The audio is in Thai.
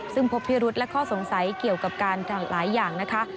ซึ่งพบพิรุษและข้อสงสัยเกี่ยวกับการหลายอย่างนะคะ